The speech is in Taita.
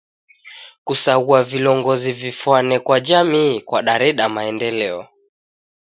Kusaghua vilongozi vifwane kwa jamii kwadareda maendeleo.